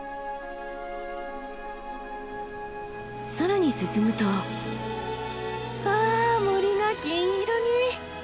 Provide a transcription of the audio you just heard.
更に進むとわあ森が金色に！